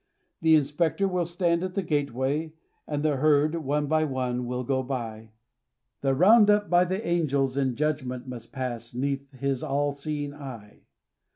The Inspector will stand at the gateway And the herd, one by one, will go by, The round up by the angels in judgment Must pass 'neath his all seeing eye.